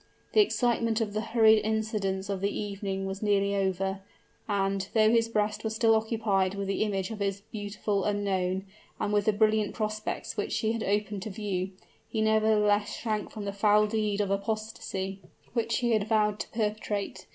The excitement of the hurried incidents of the evening was nearly over, and, though his breast was still occupied with the image of his beautiful unknown, and with the brilliant prospects which she had opened to view, he nevertheless shrank from the foul deed of apostasy which he had vowed to perpetrate.